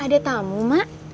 ada tamu mak